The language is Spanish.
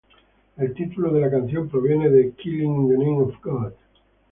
El título de la canción proviene de "Killing In the Name of God".